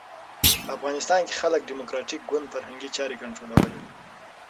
په افغانستان کې خلق ډیموکراټیک ګوند فرهنګي چارې کنټرولولې.